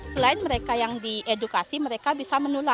selain mereka yang diedukasi mereka bisa menular